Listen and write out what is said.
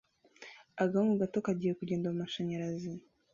Agahungu gato kagiye kugenda mumashanyarazi